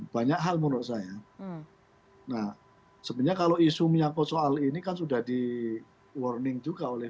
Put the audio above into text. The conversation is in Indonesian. banyak hal menurut saya nah sebenarnya kalau isu menyangkut soal ini kan sudah di warning juga oleh